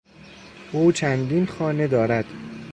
او چندین خانه دارد.